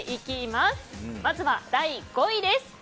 まずは、第５位です。